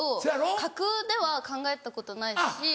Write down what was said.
架空では考えたことないし。